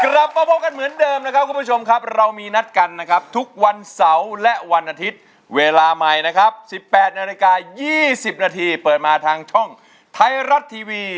เราได้เพราะเราคือร้องได้ให้ร้านลูกทุ่งสู้ชีวิต